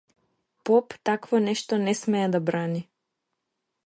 Поп такво нешто не смее да брани!